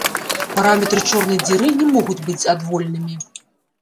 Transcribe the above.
Параметры чорнай дзіры не могуць быць адвольнымі.